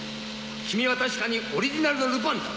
君は確かにオリジナルのルパンだ。